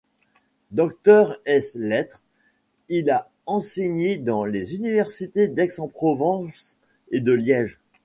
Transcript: Docteur ès lettres, il a enseigné dans les universités d'Aix-en-Provence et de Liège.